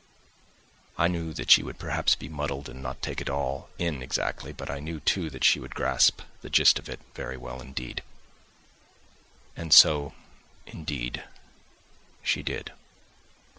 I knew that she would perhaps be muddled and not take it all in exactly, but I knew, too, that she would grasp the gist of it, very well indeed. And so, indeed, she did.